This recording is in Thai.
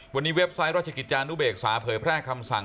วันนี้เว็บไซต์ราชกิจจานุเบกษาเผยแพร่คำสั่ง